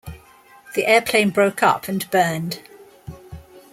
The airplane broke up and burned.